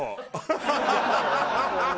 ハハハハ！